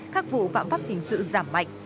các vụ phạm pháp tình sự giảm mạnh